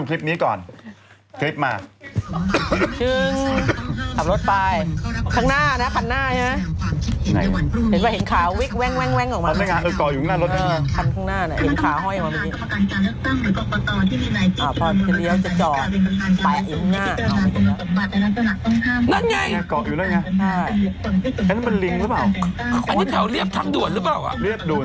สามีเกาะหน้ารถอะไรจะเกิดขึ้นเร็ว